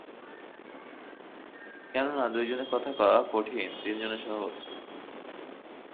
কেননা, দুই জনে কথা কহা কঠিন, তিন জনে সহজ।